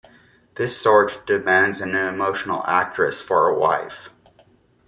This sort demands an emotional actress for a wife.